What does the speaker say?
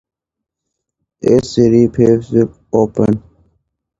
Sandwich also takes advantage of being in the Waubonsee Community College tax district.